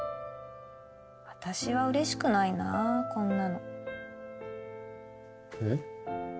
私は嬉しくないなこんなのえっ？